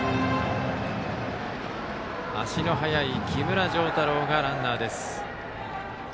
足の速い木村星太朗がランナーです。